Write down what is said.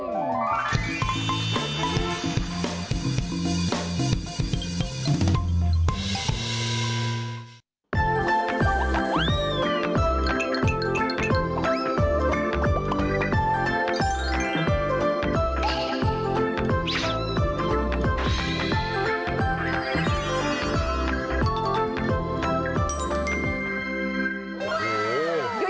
โอ้โห